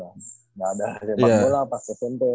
gak ada sepak bola pas smp